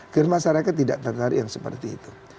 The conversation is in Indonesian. biar masyarakat tidak tertarik yang seperti itu